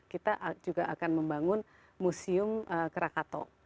kita juga akan membangun museum krakato